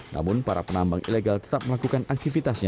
namun para penambang ilegal tetap melakukan aktivitasnya